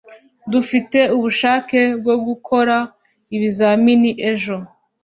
dufite ubushake bwogukora ibizamini ejo